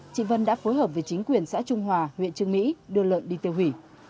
chị vân đã phối hợp với chính quyền xã trung hòa huyện trương mỹ đưa lợn đi tiêu hủy